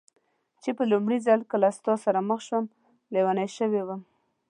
چې په لومړي ځل کله ستا سره مخ شوم، لېونۍ شوې وم.